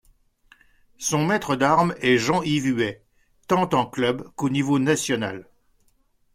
Son maître d'arme est Jean-Yves Huet tant en club qu'au niveau national.